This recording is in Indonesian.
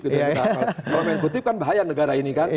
kalau main kutip kan bahaya negara ini kan